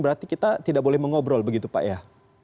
berarti kita tidak boleh mengobrol begitu pak ya